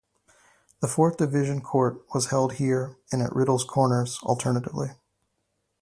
The Fourth Division Court was held here and at Riddle's Corners, alternately.